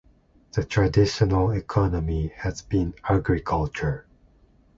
The traditional economy has been agriculture.